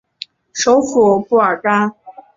首府布尔干。